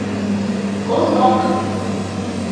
Ҡолаҡ